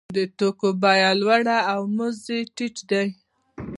د توکو بیه لوړه او مزد یې ټیټ دی